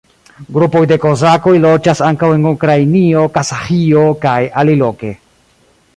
Grupoj de kozakoj loĝas ankaŭ en Ukrainio, Kazaĥio kaj aliloke.